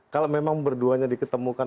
kalau memang berduanya diketemukan